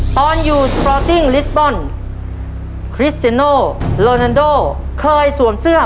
ตอนอยู่สปอร์ตติ้งลิสบอลคริสเซโนโลนันโดเคยสวมเสื้อ